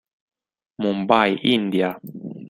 Mumbai, India.